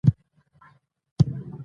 موږ په مناظره کې له نورو دلایلو پاتې شوو.